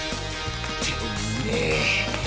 てめえ。